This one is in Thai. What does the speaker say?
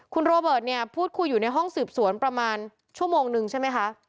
คุณโรเบิร์ตเนี่ยพูดคุยอยู่ในห้องสืบสวนประมาณชั่วโมงนึงใช่ไหมคะ